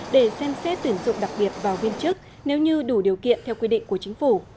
để xem xét tuyển dụng đặc biệt vào viên chức nếu như đủ điều kiện theo quy định của chính phủ